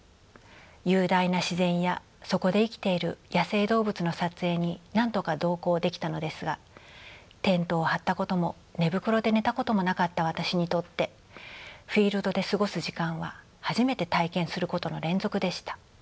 雄大な自然やそこで生きている野生動物の撮影に何度か同行できたのですがテントを張ったことも寝袋で寝たこともなかった私にとってフィールドで過ごす時間は初めて体験することの連続でした。